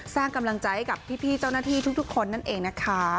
สร้างกำลังใจให้กับพี่เจ้าหน้าที่ทุกคนนั่นเองนะคะ